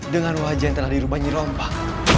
dengan wajah yang telah dirubah nyirombak